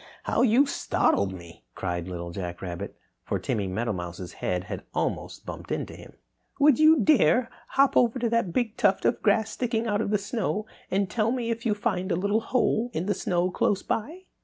how you startled me!" cried Little Jack Rabbit, for Timmy Meadowmouse's head had almost bumped into him. "Would you dare hop over to that big tuft of grass sticking out of the snow and tell me if you find a little hole in the snow close by?"